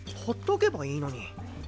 ほっとけばいいのに。